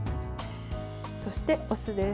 そして、お酢です。